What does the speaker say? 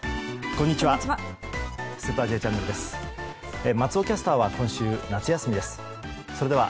こんにちは。